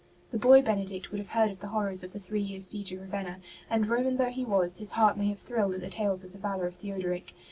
The boy Benedict would have heard of the horrors of the three years' siege of Ravenna; and Roman though he was, his heart may have thrilled at the tales of the valour of Theodoric.